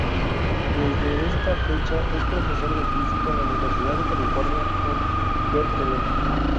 Desde esta fecha es profesor de física en la Universidad de California en Berkeley.